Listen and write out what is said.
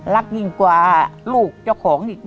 รักยิ่งกว่าลูกเจ้าของอีกไหม